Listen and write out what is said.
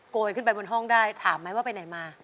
ยขึ้นไปบนห้องได้ถามไหมว่าไปไหนมา